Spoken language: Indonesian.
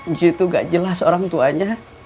ncuy tuh gak jelas orang tuanya